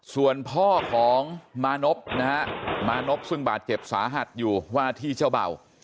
ส่วนพ่อของมานพนะฮะมานพซึ่งบาดเจ็บสาหัสอยู่ว่าที่เจ้าเบ่า